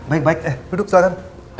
eh duduk silahkan